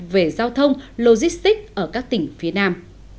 về giao thông logistics ở các tỉnh phía nam